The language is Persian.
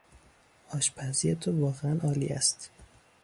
آشپزی تو واقعا عالی است.